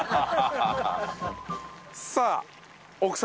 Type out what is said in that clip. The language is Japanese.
さあ奥様